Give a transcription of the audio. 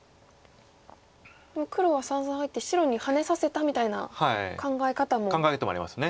黒は三々入って白にハネさせたみたいな考え方もできますか。